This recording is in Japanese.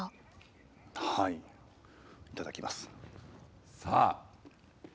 いただきます。